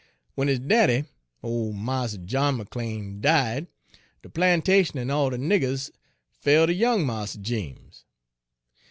Page 71 W'en his daddy, ole Mars John McLean, died, de plantation en all de niggers fell ter young Mars Jeems.